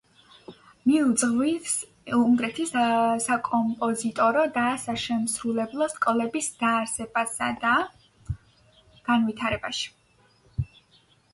ლისტს დიდი ღვაწლი მიუძღვის უნგრეთის საკომპოზიტორო და საშემსრულებლო სკოლების დაარსებასა და განვითარებაში.